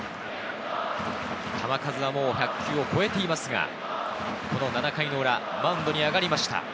球数はもう１００球を超えていますが、この７回の裏、マウンドに上がりました。